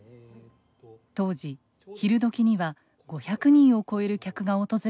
当時昼どきには５００人を超える客が訪れる店でした。